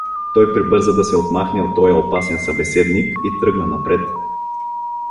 Той прибърза да се отмахне от тоя опасен събеседник и тръгна напред.